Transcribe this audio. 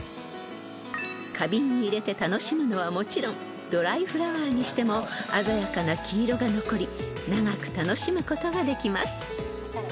［花瓶に入れて楽しむのはもちろんドライフラワーにしても鮮やかな黄色が残り長く楽しむことができます］